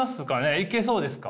いけそうですか？